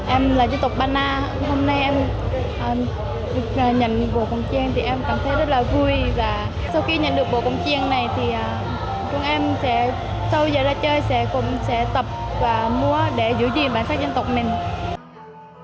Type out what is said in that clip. em là dân tộc bana hôm nay em được nhận bộ cồng chiêng thì em cảm thấy rất là vui và sau khi nhận được bộ cồng chiêng này thì chúng em sẽ sau giờ ra chơi sẽ tập và mua để giữ gìn bản sắc dân tộc mình